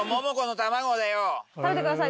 食べてください